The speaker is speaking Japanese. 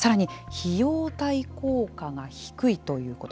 さらに費用対効果が低いということ。